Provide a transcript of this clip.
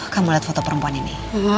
kamu lihat foto perempuan ini